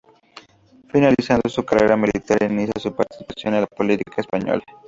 Finalizando su carrera militar inicia su participación en la política española.